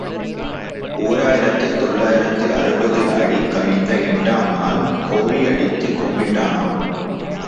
ஓர் ஆயிரத்து தொள்ளாயிரத்து அறுபது ஆடி கழிந்த எட்டாம் நாள் கோழி அடித்துக் கும்பிட்டானாம்.